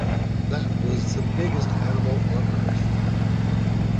That was the biggest animal on earth.